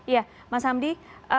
iya mas hamdi